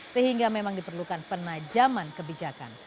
sehingga memang diperlukan penajaman kebijakan